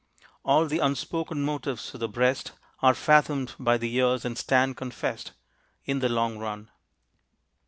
All the unspoken motives of the breast Are fathomed by the years and stand confest In the long run.